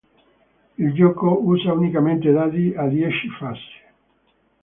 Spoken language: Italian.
Il gioco usa unicamente dadi a dieci facce.